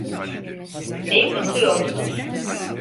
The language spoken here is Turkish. Neyi kutluyorsunuz?